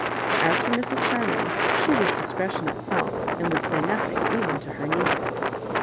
As for Mrs. Chiley, she was discretion itselC and would say nothing even to her niece.